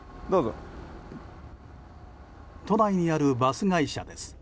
都内にあるバス会社です。